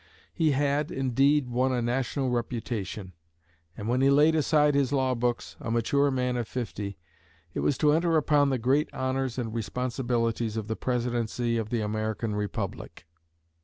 He had, indeed, won a national reputation; and when he laid aside his law books, a mature man of fifty, it was to enter upon the great honors and responsibilities of the Presidency of the American Republic.